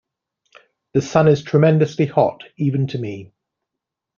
The sun is tremendously hot, even to me.